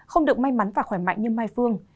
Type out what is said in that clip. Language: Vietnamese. không được may mắn và khỏe mạnh như mai phương